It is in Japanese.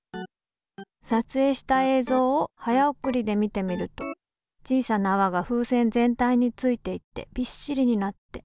さつえいした映像を早送りで見てみると小さなあわが風船全体についていってびっしりになって。